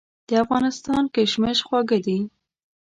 د افغانستان کشمش خواږه دي.